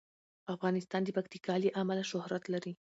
افغانستان د پکتیکا له امله شهرت لري.